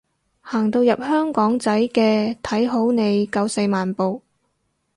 行到入香港仔嘅，睇好你夠四萬步